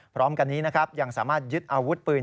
พร้อมกันนี้นะครับยังสามารถยึดอาวุธปืน